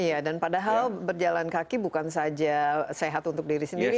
iya dan padahal berjalan kaki bukan saja sehat untuk diri sendiri